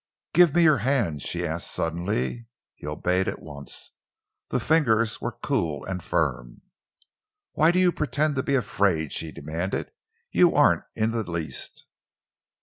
"Give me your hand," she asked suddenly. He obeyed at once. The fingers were cool and firm. "Why do you pretend to be afraid?" she demanded. "You aren't in the least."